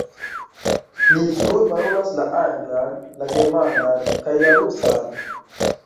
Li flue parolas la anglan, la germanan kaj la rusan.